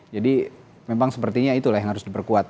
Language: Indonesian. jadi memang sepertinya itulah yang harus diperkuat